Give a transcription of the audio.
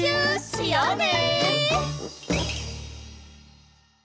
しようね！